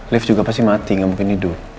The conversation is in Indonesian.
lift juga pasti mati gak mungkin hidup